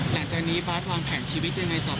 หลังจากนี้บ๊าสวางแผนชีวิตในต่อไปครับ